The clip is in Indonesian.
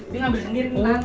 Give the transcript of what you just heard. dia ambil sendiri nanti